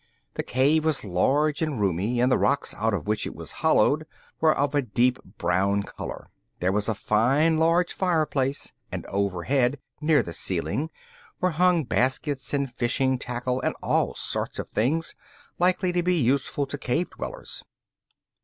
The cave was large and roomy, and the rocks out of which it was hollowed were of a deep brown colour. There was a fine large fireplace, and overhead, near the ceiling, were hung baskets and fishing tackle and all sorts of things likely to be useful to cave dwellers.